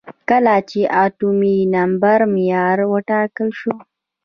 کله چې اتومي نمبر معیار وټاکل شو.